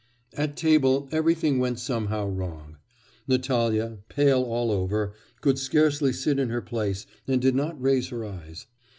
At table everything went somehow wrong. Natalya, pale all over, could scarcely sit in her place and did not raise her eyes.